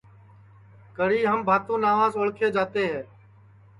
کڑی ہم بھانتو ناوس پیچاٹؔے جاتے ہے